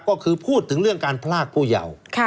ก็คือพูดถึงเรื่องการพลากผู้เยาว์